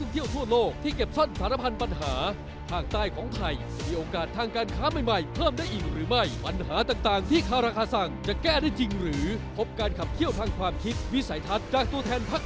ที่เป็นต้นไปทางไทยรัฐทีวีช่อง๓๒